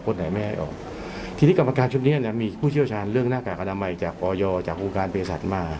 คนไหนไม่ให้ออกทีนี้กรรมการชุดเนี้ยเนี้ยมีผู้เชี่ยวชาญเรื่องหน้ากากอนามัยจากปอร์ยอจากโครงการเปรยสัตว์มา